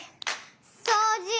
そうじ。